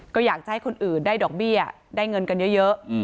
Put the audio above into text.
ก็อยากจะให้คนอื่นได้ดอกเบี้ยได้เงินกันเยอะ